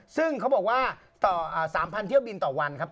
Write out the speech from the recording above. ซึ่งเขาบอกว่า๓๐๐เที่ยวบินต่อวันครับ